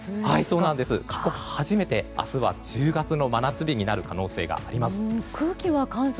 初めて明日は１０月の真夏日になる可能性があります。